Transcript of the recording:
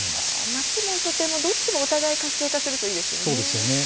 町も書店もどっちもお互い活性化するといいですよね。